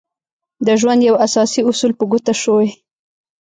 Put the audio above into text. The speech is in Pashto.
د ژوند يو اساسي اصول په ګوته شوی.